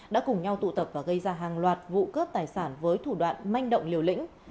đã cùng nhau tụ tập và gây ra hàng loạt vụ cướp tài sản với thủ đoạn manh động liều lĩnh